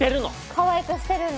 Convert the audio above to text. かわいくしてるの。